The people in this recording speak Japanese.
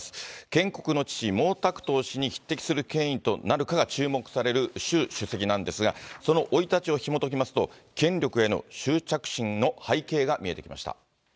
建国の父、毛沢東氏に匹敵する権威となるかが注目される習首席なんですが、その生い立ちをひもときますと、権力への執着心の背景が見えてきました。